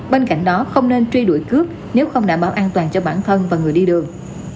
bên cạnh đó không nên truy đuổi cướp nếu không đảm bảo an toàn cho bản thân và người đi đường